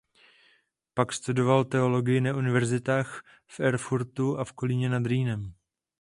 Pak studoval teologii na univerzitách v Erfurtu a v Kolíně nad Rýnem.